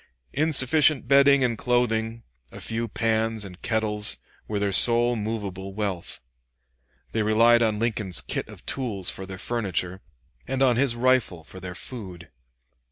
Insufficient bedding and clothing, a few pans and kettles, were their sole movable wealth. They relied on Lincoln's kit of tools for their furniture, and on his rifle for their food.